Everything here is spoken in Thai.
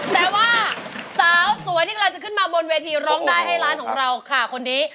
แต่ว่าสาวสวยที่กำลังจะขึ้นมาบนเวทีร้องได้ให้ร้านของเราค่ะคนนี้